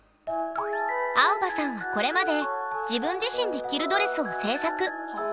アオバさんはこれまで自分自身で着るドレスを制作。